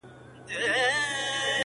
o چي سر نه وي گودر نه وي٫